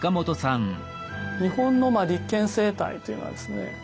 日本の立憲政体というのはですね